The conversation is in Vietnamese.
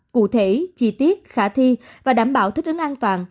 cụ thể chi tiết khả thi và đảm bảo thích ứng an toàn